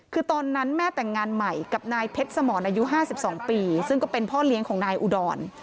คือตอนนั้นแม่แต่งงานใหม่กับนายเพชรสมรอายุ๕๒ปีซึ่งก็เป็นพ่อเลี้ยงของนายอุดร